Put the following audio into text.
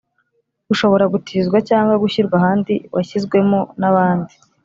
Ushobora gutizwa cyangwa gushyirwa ahandi washyizwemo n’abandi